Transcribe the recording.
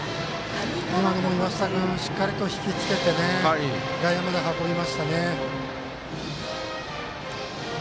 今のも岩下君しっかり引きつけて外野まで運びましたね。